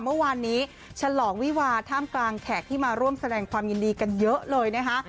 เมื่อวานนี้ฉลองวิวาท่ามกลางแขกที่มาร่วมแสดงความยินดีกันเยอะเลยนะคะ